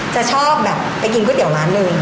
จะชอบแบบไปกินก๋วยเตี๋ยวร้านหนึ่ง